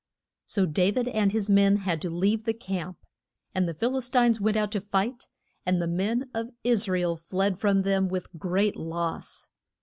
So Da vid and his men had to leave the camp, and the Phil is tines went out to fight, and the men of Is ra el fled from them with great loss.